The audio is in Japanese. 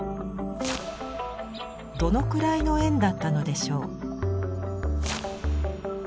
どのくらいの円だったのでしょう？